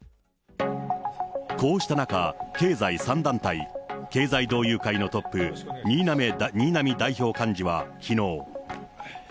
こうした中、経済３団体、経済同友会のトップ、新浪代表幹事はきのう。